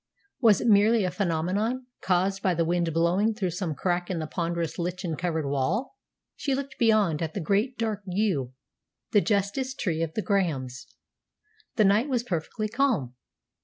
Was it merely a phenomenon caused by the wind blowing through some crack in the ponderous lichen covered wall? She looked beyond at the great dark yew, the justice tree of the Grahams. The night was perfectly calm.